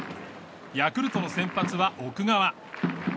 ヤクルトの先発は奥川。